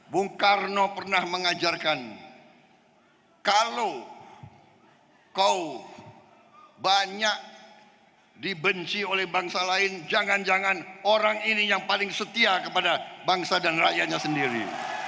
bung karno pernah mengajarkan kalau kau banyak dibenci oleh bangsa lain jangan jangan orang ini yang paling setia kepada bangsa dan rakyatnya sendiri